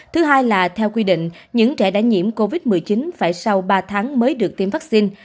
thứ hai là theo quy định những trẻ đã nhiễm covid một mươi chín phải sau ba tháng mới được tiêm vaccine